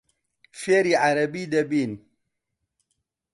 فێری عەرەبی دەبین.